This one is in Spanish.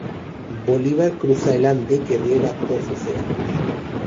Bolivar cruza el Ande que riega dos océanos;